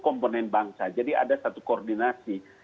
komponen bangsa jadi ada satu koordinasi